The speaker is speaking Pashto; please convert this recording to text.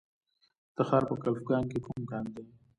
د تخار په کلفګان کې کوم کان دی؟